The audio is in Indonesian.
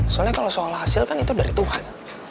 soalnya kalau soal hasil kan itu dari tuhan